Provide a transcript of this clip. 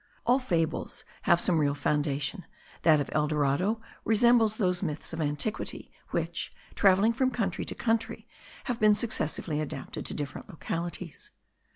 All fables have some real foundation; that of El Dorado resembles those myths of antiquity, which, travelling from country to country, have been successively adapted to different localities.